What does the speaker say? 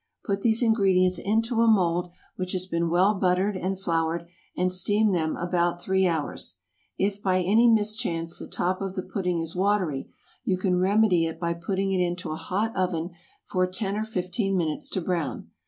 Put these ingredients into a mould which has been well buttered and floured, and steam them about three hours. If by any mischance the top of the pudding is watery, you can remedy it by putting it into a hot oven for ten or fifteen minutes to brown.